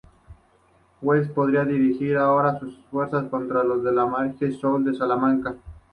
Wellesley podía dirigir ahora sus fuerzas contra las del mariscal Soult en Salamanca.